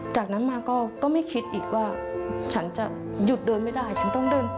จากนั้นมาก็ไม่คิดอีกว่าฉันจะหยุดเดินไม่ได้ฉันต้องเดิน